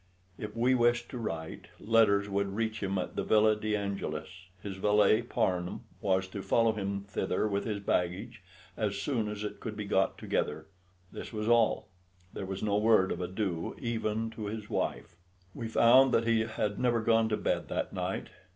If we wished to write, letters would reach him at the Villa de Angelis: his valet Parnham was to follow him thither with his baggage as soon as it could be got together. This was all; there was no word of adieu even to his wife. We found that he had never gone to bed that night.